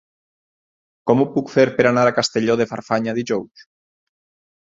Com ho puc fer per anar a Castelló de Farfanya dijous?